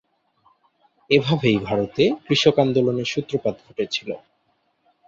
এভাবেই ভারতে কৃষক আন্দোলনের সূত্রপাত ঘটেছিল।